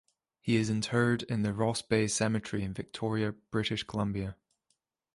He is interred in the Ross Bay Cemetery in Victoria, British Columbia.